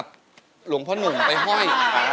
เจลเบรกแล้วด้วย